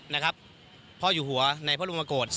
นะครับพ่ออยู่หัวในพระบรมโกศ